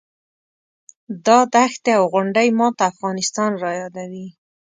دا دښتې او غونډۍ ماته افغانستان رایادوي.